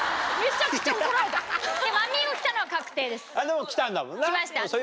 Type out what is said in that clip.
でも来たんだもんな。来ました。